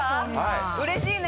うれしいね。